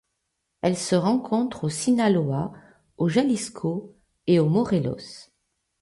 Elle se rencontre au Sinaloa, au Jalisco et au Morelos.